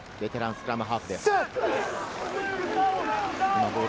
スクラムハーフは流。